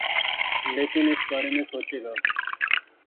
لیکن اس بارے میں سوچے گا۔